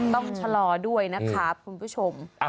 ต้องชะลอด้วยนะครับคุณผู้ชม